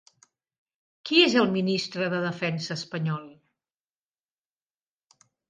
Qui és el ministre de Defensa espanyol?